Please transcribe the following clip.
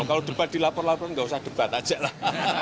kalau debat dilapor laporan nggak usah debat aja lah